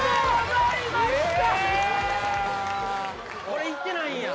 これいってないんや？